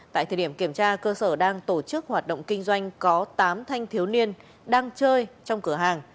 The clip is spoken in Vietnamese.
tại thời điểm kiểm tra cơ sở đang tổ chức hoạt động kinh doanh có tám thanh thiếu niên đang chơi trong cửa hàng